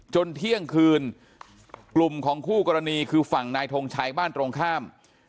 เที่ยงคืนกลุ่มของคู่กรณีคือฝั่งนายทงชัยบ้านตรงข้าม